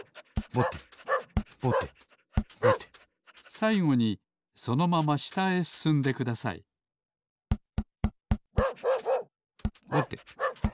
さいごにそのまましたへすすんでくださいぼてぼてぼて。